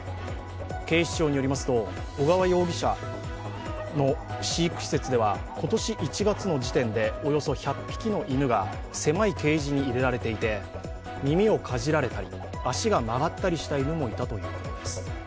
警視庁によりますと尾川容疑者の飼育施設では、今年１月の時点でおよそ１００匹の犬が狭いケージに入れられていて耳をかじられたり足が曲がったりした犬もいたということです。